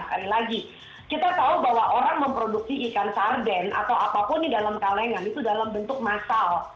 sekali lagi kita tahu bahwa orang memproduksi ikan sarden atau apapun di dalam kalengan itu dalam bentuk masal